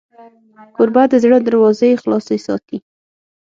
کوربه د زړه دروازې خلاصې ساتي.